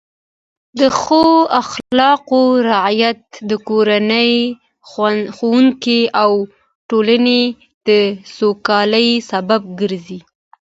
د ښو اخلاقو رعایت د کورنۍ، ښوونځي او ټولنې د سوکالۍ سبب ګرځي.